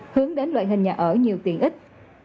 hướng đến loại hình nhà ở nhiều tiện ích